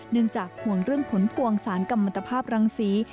เนื่องจากห่วงเรื่องผลปวงสารกับมัตตภาพรังศรี